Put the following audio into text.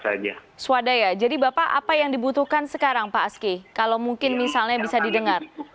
swadaya jadi bapak apa yang dibutuhkan sekarang pak aski kalau mungkin misalnya bisa didengar